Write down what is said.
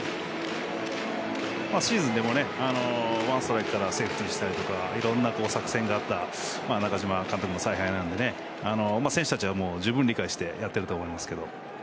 シーズンでもワンストライクからセーフティーにしたりとかいろんな作戦があった中嶋監督の采配なので選手たちは十分理解してやっていると思いますが。